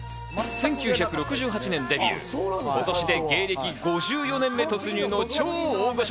１９６８年デビュー、今年で芸歴５４年目に突入の超大御所。